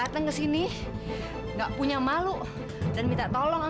kekalian kamu kekalan kekalan kamu